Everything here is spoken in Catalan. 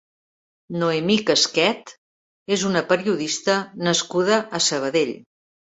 Noemí Casquet és una periodista nascuda a Sabadell.